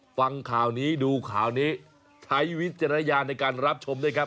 ฟังข่าวนี้ดูข่าวนี้ใช้วิจารณญาณในการรับชมด้วยครับ